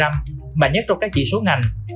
mạnh nhất trong các chỉ số ngành